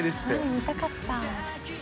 見たかった。